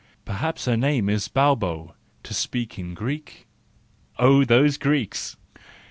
Perhaps her name is Baubo, to speak in Greek ?... Oh, those Greeks!